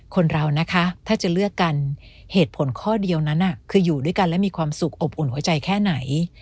คนเรานะคะถ้าจะเลือกกันเหตุผลข้อเดียวนั้นคืออยู่ด้วยกันและมีความสุขอบอุ่นหัวใจแค่ไหน